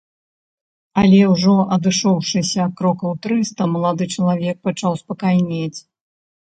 Але ўжо адышоўшыся крокаў трыста, малады чалавек пачаў спакайнець.